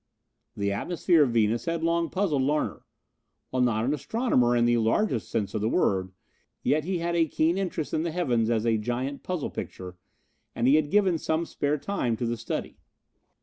The atmosphere of Venus had long puzzled Larner. While not an astronomer in the largest sense of the word, yet he had a keen interest in the heavens as a giant puzzle picture, and he had given some spare time to the study.